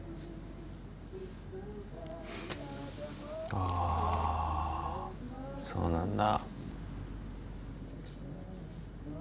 ああそうなんだ。